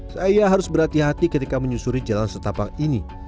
saya harus berhati hati ketika menyusuri jalan setapang ini